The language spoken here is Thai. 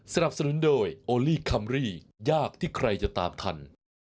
สนับสนุนโดยโอลี่คัมรี่ยากที่ใครจะตามทัน